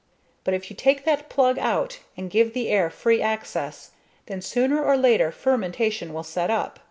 But if you take that plug out and give the air free access, then, sooner or later fermentation will set up.